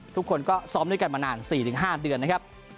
ทุกคนก็ซ้อมด้วยกันมานาน๔๕เดือนนะครับ